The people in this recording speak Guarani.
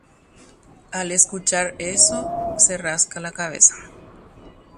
Ohendúvo upévango oñakãpire'ỹi.